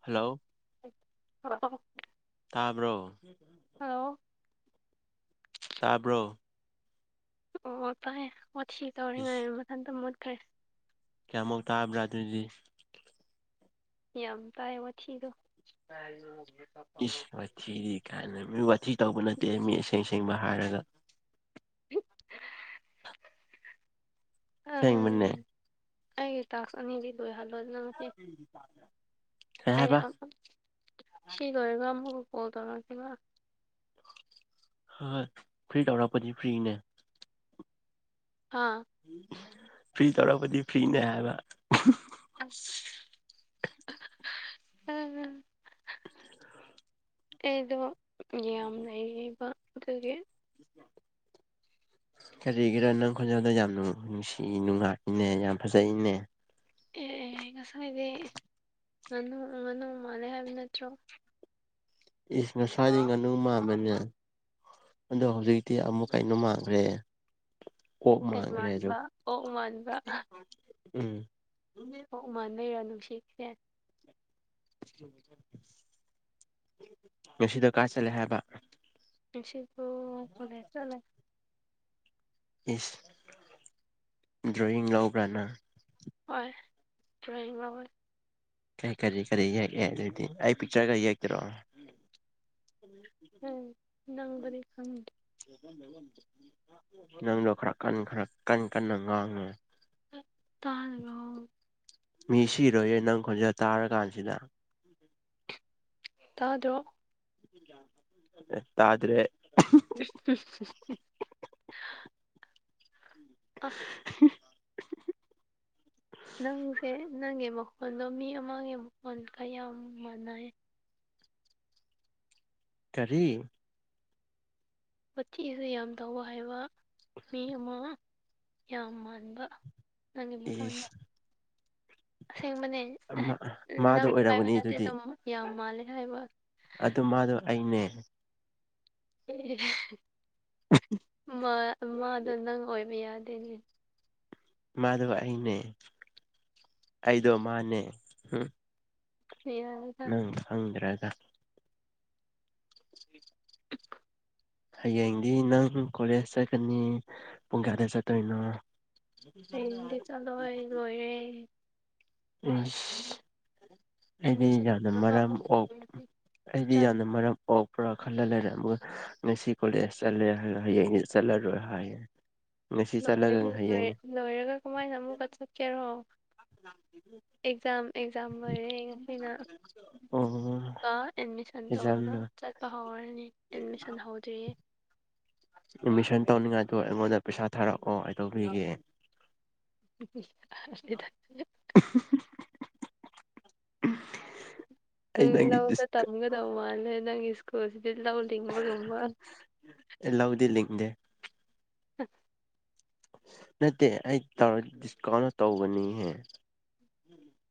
Hello ꯍ [unintelligible] ꯇꯥꯕ꯭ꯔꯣ hello ꯇꯥꯕ꯭ꯔꯣ ꯑꯣ ꯐꯥꯏꯌꯦ ꯑꯣꯠ ꯁꯤ ꯏꯁ ꯇꯧꯔꯤꯉꯥꯏ ꯃꯊꯟꯇ ꯃꯨꯠꯈ꯭ꯔꯦ ꯀꯌꯥꯃꯨꯛ ꯇꯥꯕ꯭ꯔꯥ ꯑꯗꯨꯏꯗꯤ ꯌꯥꯝ ꯇꯥꯏ ꯋꯥꯊꯤꯗꯣ ꯏꯁ ꯋꯥꯊꯤꯗꯤ ꯀꯥꯏꯅ ꯃꯤ ꯋꯥꯊꯤ ꯇꯧꯕ ꯅꯠꯇꯦ ꯃꯤ ꯑꯁꯦꯡ ꯁꯦꯡꯕ ꯍꯥꯏꯔꯒ ꯁꯦꯡ ꯃꯅꯦ ꯑꯩꯒꯤ ꯇꯥꯛꯁ ꯑꯅꯤꯗꯤ ꯂꯣꯏꯍꯜꯂꯣ ꯑꯗꯨ ꯅꯪ [unintelligible] ꯀꯩ ꯑꯩ ꯍꯥꯏꯕ ꯁꯤ ꯂꯣꯏꯔꯒ ꯑꯃꯨꯛꯀ ꯀꯣꯜ ꯇꯧꯔꯛꯁꯤꯕ ꯍꯣꯏ-ꯍꯣꯏ ꯐ꯭ꯔꯤ ꯇꯧꯔꯛꯄꯗꯤ ꯐ꯭ꯔꯤꯅꯦ ꯍꯥꯥ ꯐ꯭ꯔꯤ ꯇꯧꯔꯛꯄꯗꯤ ꯐ꯭ꯔꯤꯅꯦ ꯍꯥꯏꯕ ꯑ ꯎꯝ ꯑꯩꯗꯣ ꯌꯥꯝ ꯂꯩꯕꯗꯨꯗꯒꯤ ꯀꯔꯤꯒꯤꯔꯣ ꯅꯪ ꯈꯣꯟꯖꯦꯜꯗ ꯌꯥꯝ ꯅꯨꯡꯁꯤ ꯅꯨꯡꯉꯥꯏꯏꯅꯦ ꯌꯥꯝ ꯐꯖꯩꯅꯦ ꯑꯦ ꯑꯦ ꯉꯁꯥꯏꯗꯤ ꯉꯥꯅꯨ ꯉꯥꯅꯨ ꯃꯥꯜꯂꯦ ꯍꯥꯏꯕ ꯅꯠꯇ꯭ꯔꯣ ꯏꯁ ꯉꯁ꯭ꯋꯥꯏꯗꯒꯤꯩ ꯉꯥꯅꯨ ꯃꯥꯟꯕꯅꯦ ꯑꯗꯣ ꯍꯧꯖꯤꯛꯇꯤ ꯑꯃꯨꯛ ꯀꯩꯅꯣ ꯃꯥꯟꯈ꯭ꯔꯦ ꯑꯣ ꯃꯥ ꯀꯩ ꯔꯦꯖꯣ ꯃꯥꯟꯕ ꯑꯣꯛ ꯃꯥꯟꯕ ꯎꯝ ꯍ ꯎꯃꯥꯟ ꯂꯩꯔꯣ ꯅꯨꯡꯁꯤꯁꯦ ꯉꯁꯤꯗ ꯀꯥ ꯆꯠꯂꯦ ꯍꯥꯏꯕ ꯏꯁꯕꯨ ꯀꯣꯂꯦꯁꯨ ꯑꯂ ꯏꯁ ꯗ꯭ꯔꯣꯣꯌꯤꯡ ꯌꯥꯎꯧꯕ꯭ꯔꯅ ꯍꯣꯏ ꯗ꯭ꯔꯣꯣꯌꯤꯡ ꯑꯃꯋꯣꯏ ꯀꯔꯤ ꯀꯔꯤ ꯀꯔꯤ ꯌꯦꯛꯑꯦ ꯑꯗꯨꯗꯤ ꯑꯩ ꯄꯤꯛꯆꯔꯒ ꯌꯦꯛꯇꯔꯛꯑꯣ ꯍꯝ ꯅꯪꯕꯔꯤ ꯈ ꯅꯪꯗꯣ ꯈꯔ ꯀꯟ ꯈꯔ ꯀꯟꯅ ꯀꯟꯅ ꯉꯥꯡꯉꯦ ꯇꯥꯜꯒꯥꯎ ꯃꯤ ꯁꯤꯔꯣꯏꯌꯦꯦ ꯅꯪ ꯈꯣꯟꯖꯦꯜ ꯇꯥꯔ ꯀꯥꯟꯁꯤꯗ ꯇꯥꯗ꯭ꯔꯣ ꯇꯥꯗꯔꯦ [unintelligible] ꯑꯥ [unintelligible] [unintelligible] ꯅꯪꯁꯦ ꯅꯪꯒꯤ ꯃꯈꯣꯟꯗꯣ ꯃꯤ ꯑꯃꯒꯤ ꯃꯈꯣꯟꯜꯒꯌꯥꯝ ꯃꯥꯟꯅꯩꯌꯦ ꯀꯔꯤ ꯃꯊꯤꯁꯨ ꯌꯥꯝ ꯇꯧꯕ ꯍꯥꯏꯕ ꯃꯤ ꯑꯃ ꯌꯥꯝ ꯃꯥꯟꯕ ꯅꯪꯒꯤ ꯃ ꯐꯣꯟꯗꯣ ꯏꯁ ꯑꯁꯦꯡꯕꯅꯦ ꯃꯥ ꯃꯥꯗꯣ ꯅꯪꯕꯨ ꯍꯥꯏꯕ ꯑꯣꯏꯔꯝꯒꯅꯤ ꯅꯠꯇꯦ ꯑꯗꯨꯗꯤ ꯑꯗꯨꯝ ꯌꯥꯝ ꯃꯥꯜꯂꯦ ꯍꯥꯏꯕ ꯑꯗꯨ ꯃꯥꯗꯣ ꯑꯩꯅꯦ ꯎ ꯑ ꯃꯥꯗꯣ ꯅꯪ ꯑꯣꯏꯕ ꯌꯥꯗꯦꯅꯦ ꯃꯥꯗꯣ ꯑꯩꯅꯦ ꯑꯩꯗꯣ ꯃꯥꯅꯦ ꯃꯤꯔꯪ ꯅꯪ ꯍꯪꯗ꯭ꯔꯥꯒꯥ ꯍ ꯍꯌꯦꯡꯗꯤ ꯅꯪ ꯀꯣꯂꯦꯖ ꯆꯠꯀꯅꯤ ꯄꯨꯡ ꯀꯌꯥꯗ ꯆꯠꯇꯣꯏꯅꯣ ꯍꯤꯟꯗꯤ ꯆꯂꯣꯏ ꯂꯣꯏꯔꯦ ꯎꯝ [unintelligible] ꯑꯩꯗꯤ ꯑꯦꯗꯃꯤꯁꯟ ꯌꯥꯝꯅ ꯇꯧꯔꯒ ꯃꯔꯝ ꯑꯃꯨꯛ ꯇꯧꯔꯅꯤ ꯑꯩꯗꯤ ꯆꯠ ꯌꯥꯝꯅ ꯃꯔꯝ ꯑꯣꯄ꯭ꯔꯥ ꯈꯜꯂ ꯂꯩꯔ ꯃꯦꯁꯤ ꯀꯦ ꯆꯂꯦ ꯆꯂꯔ ꯉꯁꯤ ꯆꯠꯂꯒ ꯂꯣꯏꯔꯗꯤ ꯉꯍꯩ ꯂꯣꯏ ꯌꯥꯏꯩꯅ ꯂꯣꯏꯔꯒ ꯀꯃꯥꯏꯅ ꯑꯃꯨꯛꯀ ꯆꯠꯀꯦꯔꯣ ꯑꯦꯛꯖꯥꯝ ꯑꯦꯛꯖꯥꯝ ꯃꯔꯦꯡ ꯑꯣ ꯑꯩꯅꯀ ꯑꯦꯠꯃꯤꯁꯟ ꯑꯦꯛꯖꯥꯝ ꯇꯧꯔꯒ ꯆꯠ ꯂꯄꯥ ꯍꯧꯔꯅꯤ ꯑꯦꯠꯃꯤꯁꯟ ꯍꯧꯗ꯭ꯔꯤꯑ ꯑꯦꯠꯃꯤꯁꯟ ꯇꯧꯅꯤꯡꯉꯥꯏꯗꯣ ꯑꯩꯉꯣꯟꯗ ꯄꯩꯁꯥ ꯊꯥꯔꯛꯑꯣ ꯀꯗꯧꯕꯤꯒꯦ ꯅꯤ ꯇ [unintelligible] ꯎꯝ ꯅꯪꯒꯤ ꯂꯧꯗ ꯗꯤꯁ ꯇꯝꯒꯗꯧ ꯃꯥꯜꯂꯦ ꯅꯪꯒꯤ ꯁ꯭ꯀꯨꯜꯁꯤꯗꯤ ꯂꯧ ꯂꯤꯡꯕꯒꯨꯝꯕ ꯂꯧꯗꯤ ꯂꯤꯡꯗꯦ ꯎꯝ [unintelligible] ꯅꯠꯇꯦ ꯑꯩ ꯇꯧꯔ ꯗꯤꯁꯀꯥꯎꯟ ꯇꯧꯕꯅꯤꯍꯦ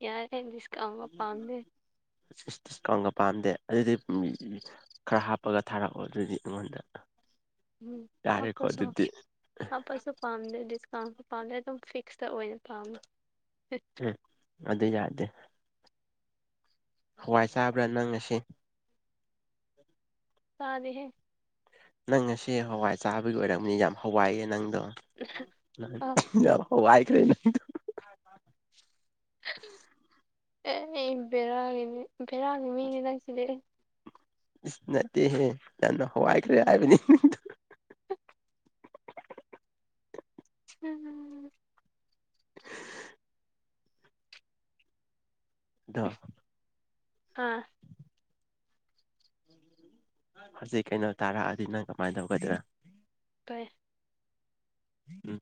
ꯌꯥꯔꯦꯍꯦ ꯗꯤꯁꯀꯥꯎꯟꯒꯥ ꯄꯥꯝꯗꯦ ꯏꯁ ꯗꯤꯁꯀꯥꯎꯟꯒ ꯄꯥꯝꯗꯦ ꯑꯗꯨꯗꯤ ꯈꯔ ꯍꯥꯞꯄꯒ ꯊꯥꯔꯛꯑꯣ ꯑꯗꯨꯗꯤ ꯑꯩꯉꯣꯟꯗ ꯎꯝ ꯌꯥꯔꯦꯀꯣ ꯍꯥꯞꯄꯁꯨ ꯑꯗꯨꯗꯤ ꯍꯥꯞꯄꯁꯨ ꯄꯥꯝꯗꯦ ꯗꯤꯁꯀꯥꯎꯟꯁꯨ ꯄꯥꯝꯗꯦ ꯑꯗꯨꯝ ꯐꯤꯛꯁꯇ ꯑꯣꯏꯅ ꯄꯥꯝꯃꯦ ꯑꯗꯨ ꯌꯥꯗꯦ ꯍꯋꯥꯏ ꯆꯥꯕ꯭ꯔꯥ ꯅꯪ ꯉꯥꯁꯤ ꯆꯥꯗꯦꯍꯦ ꯅꯪ ꯉꯥꯁꯤ ꯍꯋꯥꯏ ꯆꯥꯕꯒꯤ ꯑꯣꯏꯔꯝꯅꯤ ꯌꯥꯝ ꯍꯋꯥꯏꯑ ꯅꯪꯗꯣ ꯑꯥ ꯍꯥꯋꯥꯏꯈ꯭ꯔꯦ ꯅꯪꯗꯨ ꯑꯦ ꯕꯦꯔꯥꯒꯤꯅꯤ ꯕꯦꯔꯥꯒꯤ ꯃꯤꯅꯦ ꯅꯪꯁꯤꯗꯤ ꯏꯁ ꯅꯠꯇꯦꯍꯦ ꯌꯥꯝꯅ ꯍꯋꯥꯏꯈ꯭ꯔꯦ ꯍꯥꯏꯕꯅꯤ ꯎꯝ ꯎꯝ ꯎꯝ ꯗꯣ ꯍꯥꯥ ꯍꯧꯖꯤꯛ ꯀꯩꯅꯣ ꯇꯥꯔꯛꯑꯗꯤ ꯅꯪ ꯀꯃꯥꯏꯅ ꯇꯧꯒꯗ꯭ꯔꯥ ꯀꯩ ꯎꯝ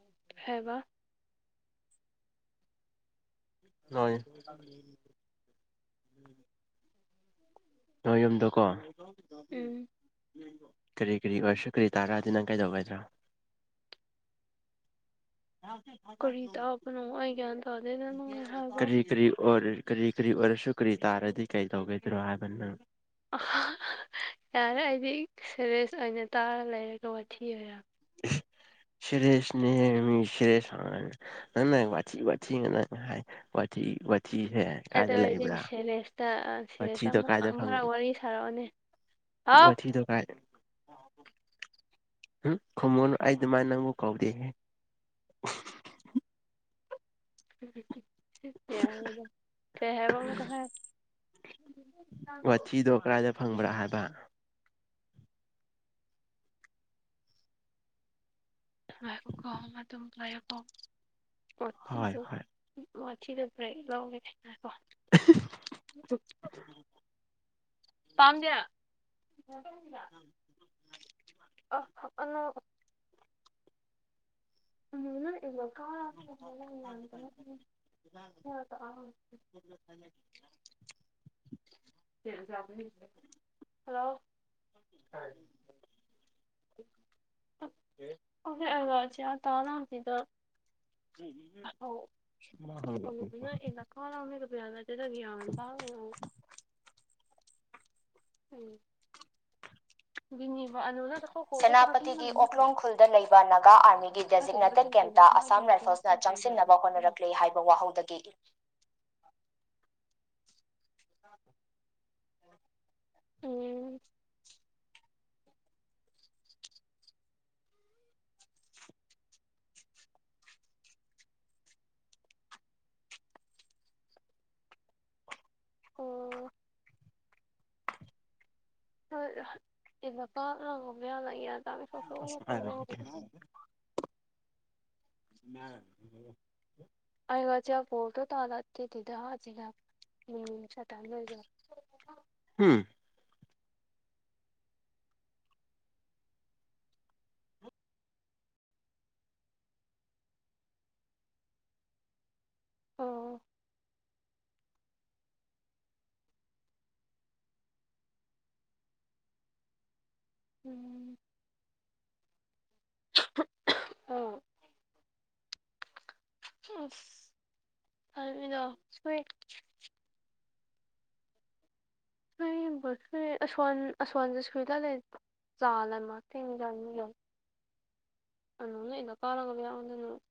ꯎꯝ [inaudible] ꯀꯩ ꯍꯥꯏꯕ ꯍꯣꯏ ꯑꯗꯨ ꯅꯣꯏ ꯌꯨꯝꯗꯣꯀꯣ ꯎꯝ ꯀꯔꯤ ꯀꯔꯤ ꯑꯣꯏꯔꯁꯨ ꯀꯔꯤ ꯇꯥꯔꯛꯑꯗꯤ ꯅꯪ ꯀꯩꯗꯧꯒꯗ꯭ꯔꯣ ꯀꯔꯤ ꯇꯥꯛꯄꯅꯣ ꯑꯩ ꯒ꯭ꯌꯥꯟ ꯇꯥꯗꯦꯗ ꯅꯪ ꯍꯥꯏꯕ ꯀꯔꯤ ꯀꯔꯤ ꯑꯣꯏꯔ ꯀꯔꯤ ꯀꯔꯤ ꯑꯣꯏꯔꯁꯨ ꯀꯔꯤ ꯇꯥꯔꯗꯤ ꯀꯔꯤ ꯇꯧꯒꯗ꯭ꯔꯣ ꯍꯥꯏꯕꯅꯪ ꯌꯥꯔꯦ ꯑꯩꯗꯤ ꯁꯦꯔꯦꯁ ꯑꯣꯏꯅ ꯇꯥꯔ ꯂꯩꯔꯒ ꯋꯥꯊꯤ ꯑꯣꯏꯔ ꯁꯦꯔꯦꯁꯅꯦꯍꯦ ꯃꯤ ꯁꯤꯔꯦꯁ ꯃꯤ ꯁꯦꯔꯦꯁ ꯍꯣꯏ ꯅꯥꯪꯅ ꯋꯥꯊꯤ ꯋꯥꯊꯤꯅ ꯉꯥ ꯍꯥꯏ ꯋꯥꯊꯤ ꯋꯥꯊꯤ ꯍꯦ ꯑꯗꯨ ꯑꯩꯗꯤ ꯁꯦꯔꯦꯁꯇꯥ ꯁꯦꯔꯦꯁ ꯋꯥꯊꯤꯗꯣ ꯀꯥꯏꯗ ꯐꯪ ꯑꯃꯨꯛꯇꯪꯒ ꯋꯥꯔꯤ ꯁꯥꯔꯛꯑꯣꯅꯦ ꯍꯥꯎ ꯁꯤꯗ ꯀꯥꯏ ꯎꯝ ꯈꯨꯝꯃꯣꯅ ꯑꯩ ꯑꯗꯨꯃꯥꯏꯅ ꯅꯪꯕꯨ ꯀꯧꯗꯦꯍꯦ ꯎꯝ ꯌꯥꯗ ꯀ ꯍꯕ ꯑꯃ ꯀꯍ [unintelligible] ꯈꯥ [unintelligible] ꯐꯪꯕ꯭ꯔꯥ ꯍꯥꯏꯕ ꯉꯏꯈꯣꯀꯣ ꯑꯗꯨꯝ ꯄꯥꯏꯌꯨꯀꯣ ꯋꯥꯥꯊꯤ ꯍꯣꯏ ꯇꯧ ꯍꯣꯏ ꯉꯊꯤꯗ ꯄꯨꯔꯦꯛ ꯂꯧꯒꯦ ꯍꯥꯏꯅ ꯀꯣ [unintelligible] ꯄꯥꯝꯗꯦ ꯑ ꯑꯜꯣ [unintelligible] ꯎꯝꯉ [unintelligible] [unintelligible] ꯍꯜꯂꯣ ꯎ ꯎꯝ ꯎ ꯑꯣ ꯑ ꯆ ꯇꯅꯤꯗ ꯎ ꯀꯅ ꯑꯦ ꯀꯥ ꯑꯃꯅꯦ ꯀꯕꯌꯥꯗ ꯑꯗꯨꯗꯒ ꯌꯥꯕ ꯇꯣ [unintelligible] ꯎꯝ [unintelligible] ꯁꯦꯅꯥꯄꯇꯤꯒꯤ ꯑꯣꯛꯂꯣꯡ ꯈꯨꯜꯗ ꯂꯩꯕ ꯅꯒꯥ ꯑꯥꯔꯃꯤꯒꯤ ꯗꯦꯖꯤꯛꯅꯦꯇꯦꯠ ꯀꯦꯝꯞꯇ ꯑꯁꯥꯝ ꯔꯥꯏꯐꯜꯁ ꯆꯪꯁꯤꯟꯅꯕ ꯍꯣꯠꯅꯔꯛꯂꯦ ꯍꯥꯏꯕ ꯋꯥꯍꯧꯗꯒꯤ ꯎꯝ ꯑꯣ ꯍ ꯏꯂꯀꯥ ꯂꯥꯡꯒ ꯃ ꯌꯥ ꯂ ꯌꯦ ꯇꯥꯡ ꯁꯣꯛ ꯁꯣꯛ ꯍꯝ ꯈꯣꯠꯅ [unintelligible] [inaudible] [unintelligible] ꯍꯨꯝ ꯎꯝ ꯎꯝ [unintelligible] [unintelligible] ꯁꯨꯏꯨꯏ ꯑꯁꯣꯟ ꯑꯁꯣꯟꯁꯦ ꯁꯨꯏꯗ ꯂꯩ ꯆꯥ ꯑꯃ ꯊꯦꯡꯖꯅꯤ꯫ [unintelligible]